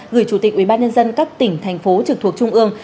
gửi chủ tịch ubnd các tỉnh thành phố trực thuộc trung ương